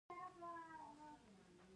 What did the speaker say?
ګاز د افغانانو د تفریح یوه وسیله ده.